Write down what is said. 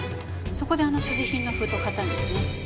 そこであの所持品の封筒買ったんですね。